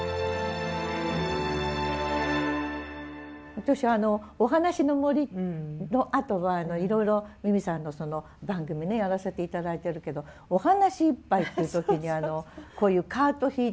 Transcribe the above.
私あの「おはなしのもり」のあとはいろいろ美巳さんの番組やらせて頂いてるけど「おはなしいっぱい」って時にこういうカート引いてね